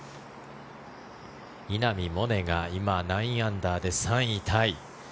稲見萌寧が今、９アンダーで３位タイ。